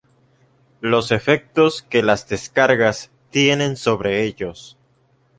los efectos que las descargas tienen sobre ellos